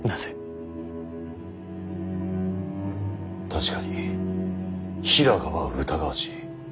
確かに平賀は疑わしい。